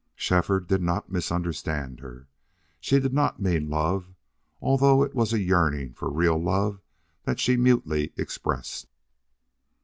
Shefford did not misunderstand her. She did not mean love, although it was a yearning for real love that she mutely expressed.